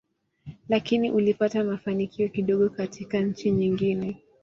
Lakini ulipata mafanikio kidogo katika nchi nyingine.